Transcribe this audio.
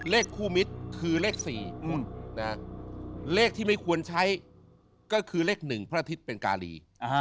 เลขคู่มิตรคือเลข๔เลขที่ไม่ควรใช้ก็คือเลข๑พระอาทิตย์เป็นกาลี